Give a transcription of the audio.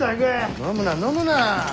飲むな飲むな。